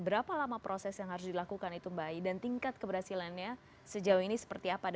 berapa lama proses yang harus dilakukan itu mbak ai dan tingkat keberhasilannya sejauh ini seperti apa